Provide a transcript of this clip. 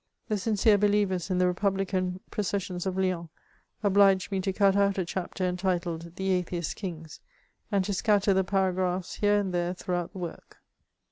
The sincere believers in the republican processions of Lyons obliged me to cut out a chapter entitled *' The Atheist Kings," and to scatter the paragraphs here and there throughout the work.